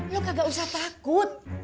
lo kagak usah takut